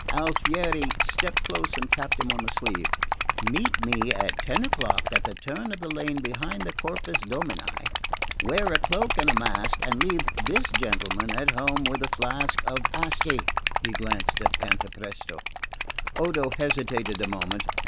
Alfieri stepped close and tapped him on the sleeve. "Meet me at ten o'clock at the turn of the lane behind the Corpus Domini. Wear a cloak and a mask, and leave this gentleman at home with a flask of Asti." He glanced at Cantapresto. Odo hesitated a moment.